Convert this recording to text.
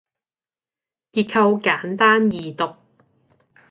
結構簡單易讀